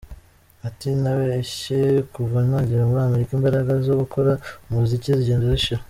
Ati “Ntabeshye, kuva nagera muri Amerika imbaraga zo gukora umuziki zigenda zishira.